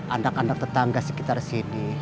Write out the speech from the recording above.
andak andak tetangga sekitar sini